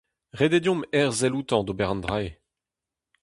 Ret eo deomp herzel outañ d'ober an dra-se.